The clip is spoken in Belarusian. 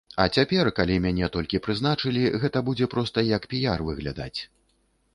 А цяпер, калі мяне толькі прызначылі, гэта будзе проста як піяр выглядаць.